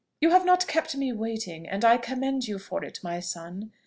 "You have not kept me waiting, and I commend you for it, my son.